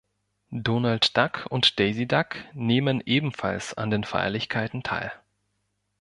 Donald Duck und Daisy Duck nehmen ebenfalls an den Feierlichkeiten teil.